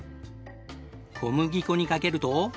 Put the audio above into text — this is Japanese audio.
小麦粉にかけると。